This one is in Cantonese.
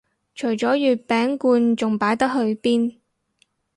除咗月餅罐仲擺得去邊